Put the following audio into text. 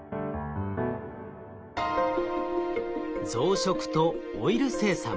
増殖とオイル生産。